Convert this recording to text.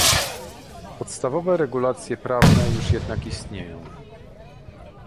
Podstawowe regulacje prawne już jednak istnieją